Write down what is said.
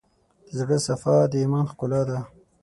د زړه صفا، د ایمان ښکلا ده.